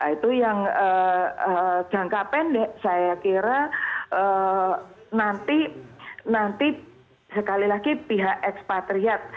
itu yang jangka pendek saya kira nanti sekali lagi pihak ekspatriat